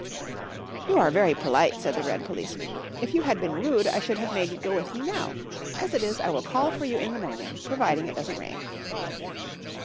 "You are very polite," said the red policeman. "If you had been rude I should have made you go with me now. As it is I will call for you in the morning providing it doesn't rain."